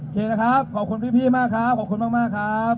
เคนะครับขอบคุณพี่มากครับขอบคุณมากครับ